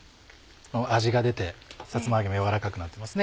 味が出てさつま揚げも軟らかくなってますね。